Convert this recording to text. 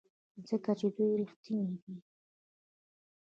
ځکه چې دوی ریښتیني دي.